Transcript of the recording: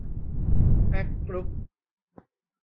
แม็คกรุ๊ป